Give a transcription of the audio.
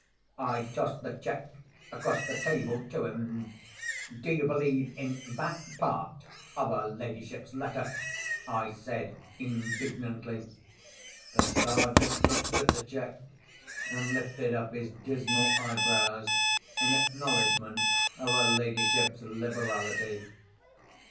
I tossed the cheque across the table to him. "Do you believe in that part of her ladyship's letter?" I said, indignantly. The Sergeant looked at the cheque, and lifted up his dismal eyebrows in acknowledgment of her ladyship's liberality.